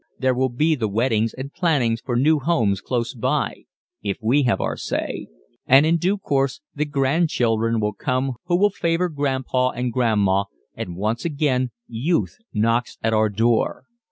There will be the weddings and plannings for new homes close by if we have our say. And in due course, the grandchildren will come who will favor grandpa and grandma and once again youth knocks at our door.